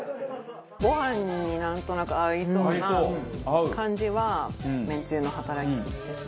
ご飯になんとなく合いそうな感じはめんつゆの働きですね。